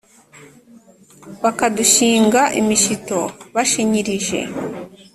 bakadushinga imishito bashinyirije